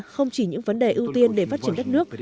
không chỉ những vấn đề ưu tiên để phát triển đất nước